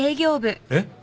えっ？